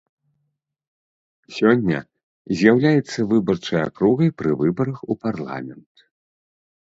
Сёння з'яўляецца выбарчай акругай пры выбарах у парламент.